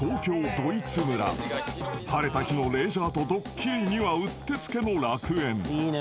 ［晴れた日のレジャーとドッキリにはうってつけの楽園］